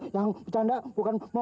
yang bercanda bukan mau ngeladuk